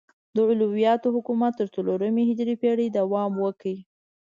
د علویانو حکومت تر څلورمې هجري پیړۍ دوام وکړ.